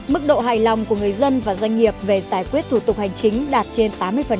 mức độ hài lòng của người dân và doanh nghiệp về giải quyết thủ tục hành chính đạt trên tám mươi